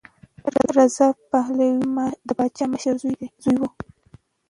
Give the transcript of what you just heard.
رضا پهلوي د پادشاه مشر زوی و.